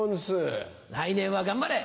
来年は頑張れ。